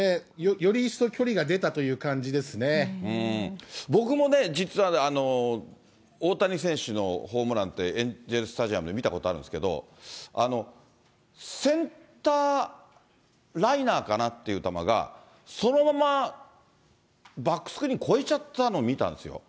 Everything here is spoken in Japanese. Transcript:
より一層、僕もね、実は大谷選手のホームランって、エンゼルスタジアムで見たことあるんですけど、センターライナーかなっていう球が、そのままバックスクリーン越えちゃったの、見たんですよ。